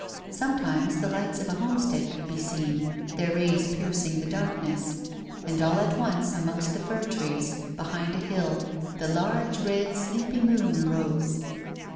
Sometimes the lights of a homestead could be seen, their rays piercing the darkness ; and, all at 12 A WOMAN'S LIFE. once, amongst the fir trees, behind a hill, the large, red, sleepy moon arose.